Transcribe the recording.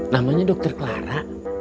namanya dokter clara